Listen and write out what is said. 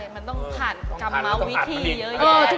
มันต้องผ่านกรรมวิธีเยอะ